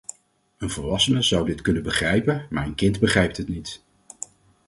Een volwassene zou dit kunnen begrijpen, maar een kind begrijpt het niet.